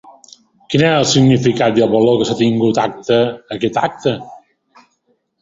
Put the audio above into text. Quin és el significat i el valor que ha tingut acte aquest acte?